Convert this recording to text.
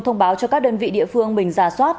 thông báo cho các đơn vị địa phương mình giả soát